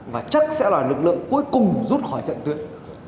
và chắc sẽ là lực lượng cuối cùng rút khỏi trận tuyến